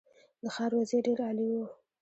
د ښار وضعیت ډېر عالي و.